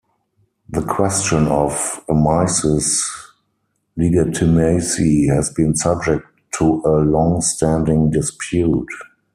The question of Amice's legitimacy has been subject to a longstanding dispute.